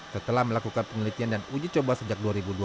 setelah melakukan penelitian dan uji coba sejak dua ribu dua puluh